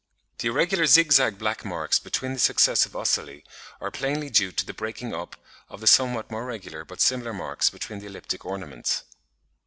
The irregular zigzag black marks between the successive ocelli (Fig. 57) are plainly due to the breaking up of the somewhat more regular but similar marks between the elliptic ornaments.